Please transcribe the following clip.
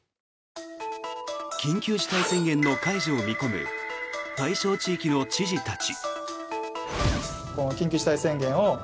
緊急事態宣言の解除を見込む対象地域の知事たち。